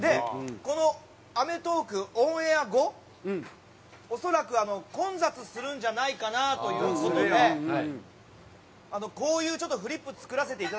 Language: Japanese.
この『アメトーーク』オンエア後恐らく混雑するんじゃないかなという事でこういうちょっとフリップ作らせていただいたんですよ。